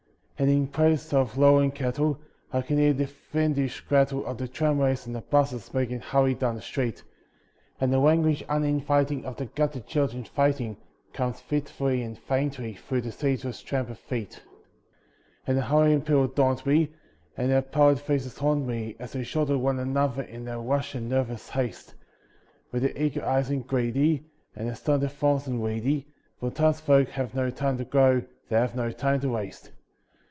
And in place of lowing cattle, I can hear the fiendish rattle Of the tramways and the buses making hurry down the street; And the language uninviting of the gutter children fighting Comes fitfully and faintly through the ceaseless tramp of feet. And the hurrying people daunt me, and their pallid faces haunt me As they shoulder one another in their rush and nervous haste, With their eager eyes and greedy, and their stunted forms and weedy, For townsfolk have no time to grow, they have no time to waste.